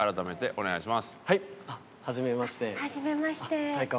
お願いします。